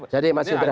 jadi masih berat